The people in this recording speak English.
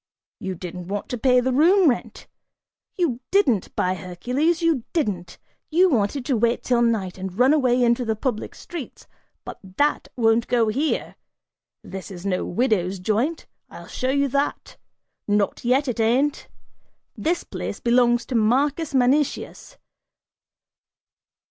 You didn't want to pay the room rent, you didn't, by Hercules, you didn't; you wanted to wait till night and run away into the public streets, but that won't go here! This is no widow's joint, I'll show you that; not yet it ain't! This place belongs to Marcus Manicius!"